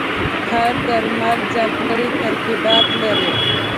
هر درمل ځانګړي ترکیبات لري.